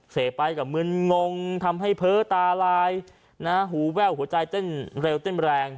เสพไปก็มึนงงทำให้เพ้อตาลายหูแว่วหัวใจเต้นเร็วเต้นแรง